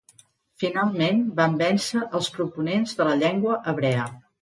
Finalment van vèncer els proponents de la llengua hebrea.